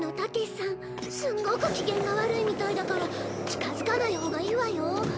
すごく機嫌が悪いみたいだから近づかないほうがいいわよ。